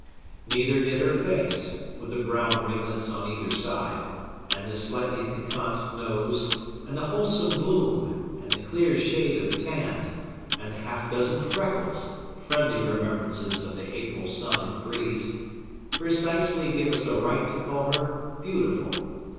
Neither did her face—with the brown ringlets on either side, and the slightly piquant nose, and the wholesome bloom, and the clear shade of tan, and the half dozen freckles, friendly remembrances of the April sun and breeze—precisely give us a right to call her beautiful.